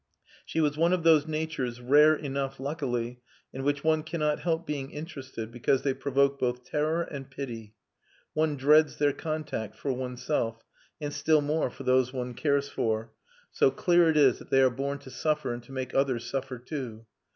She was one of those natures, rare enough, luckily, in which one cannot help being interested, because they provoke both terror and pity. One dreads their contact for oneself, and still more for those one cares for, so clear it is that they are born to suffer and to make others suffer, too.